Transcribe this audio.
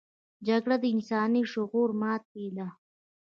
جګړه د انساني شعور ماتې ده